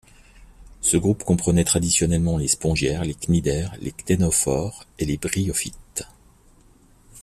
Ce groupe comprenait traditionnellement les Spongiaires, les Cnidaires, les Cténophores et les Bryophytes.